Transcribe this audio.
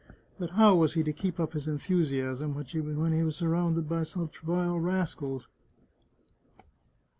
But how was he to keep up his enthusiasm when he was surrounded by such vile rascals?